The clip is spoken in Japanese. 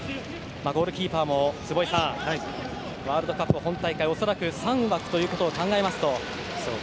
ゴールキーパーも坪井さん、ワールドカップ本大会恐らく３枠ということを考えますと。